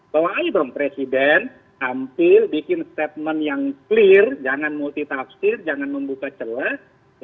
bahwa ayo dong presiden hampir bikin statement yang clear jangan multi tapsir jangan membuka celah